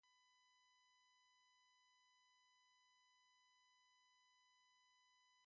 The reptile deity ventured to dispute the possession of the rest-house.